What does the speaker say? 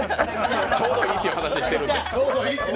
ちょうどいいっっていう話してるんで。